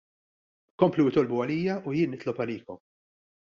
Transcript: Komplu itolbu għalija u jien nitlob għalikom.